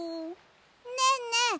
ねえねえ